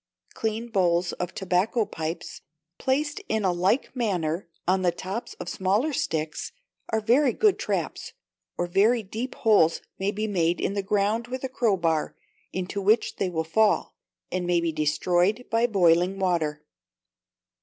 Clean bowls of tobacco pipes, placed in like manner on the tops of smaller sticks, are very good traps: or very deep holes may be made in the ground with a crowbar, into which they will fall, and may be destroyed by boiling water.